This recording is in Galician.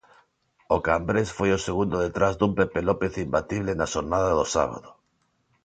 O cambrés foi o segundo detrás dun Pepe López imbatible na xornada do sábado.